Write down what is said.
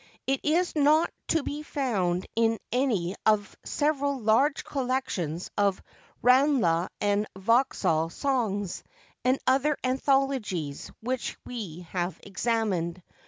It is not to be found in any of several large collections of Ranelagh and Vauxhall songs, and other anthologies, which we have examined.